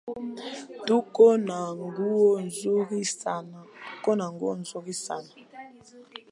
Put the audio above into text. Tuko na nguo nzuri sana